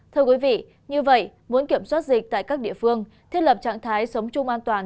thưa quý vị như vậy muốn kiểm soát dịch tại các địa phương thiết lập trạng thái sống chung an toàn